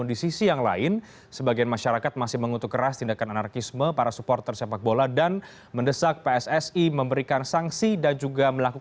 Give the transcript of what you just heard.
dalam waktu satu minggu